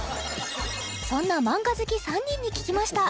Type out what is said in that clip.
そんなマンガ好き３人に聞きました